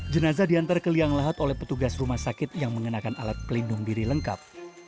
jenazah diantar ke liang lahat oleh petugas rumah sakit yang mengenakan alat pelindung diri lengkap